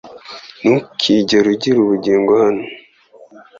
Ntukigere ugira ubugingo hano